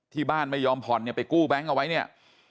ที่บ้านไม่ยอมผ่อนไปกู้แบงค์เอาไว้เนี่ย